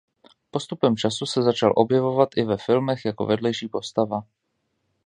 Postupem času se začal objevovat i ve filmech jako vedlejší postava.